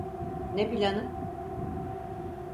Ne planı?